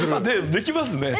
できますね。